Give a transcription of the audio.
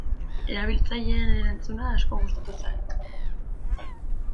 Erabiltzaileen erantzuna asko gustatu zait.